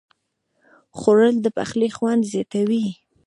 خوړل د پخلي خوند زیاتوي